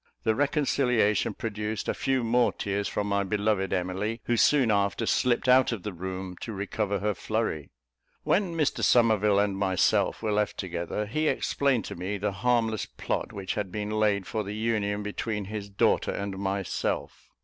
The reconciliation produced a few more tears from my beloved Emily, who soon after slipped out of the room to recover her flurry. When Mr Somerville and myself were left together, he explained to me the harmless plot which had been laid for the union between his daughter and myself.